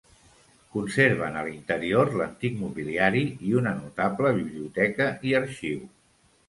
Conserven a l'interior l'antic mobiliari i una notable biblioteca i arxiu.